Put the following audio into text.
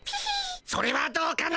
それはどうかな？